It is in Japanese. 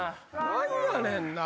何やねんな！